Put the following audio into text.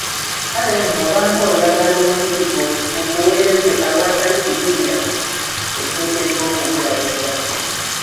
Kale nno obanga oyagala omubiri gwo gukuweereze awatali kujulirira, oteekeddwa okugulabirira.